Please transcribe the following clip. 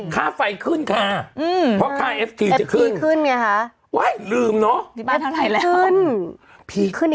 ขึ้นขึ้นอีกแล้วนะพี่โม๊ตนะ